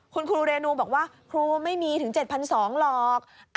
คุณครูเรนูบอกว่าครูไม่มีถึง๗๒๐๐หรอก